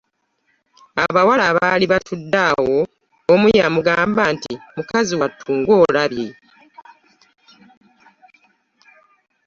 Abawala abaali batudde awo omu yamugamba nti "Mukazi wattu ng'olabye"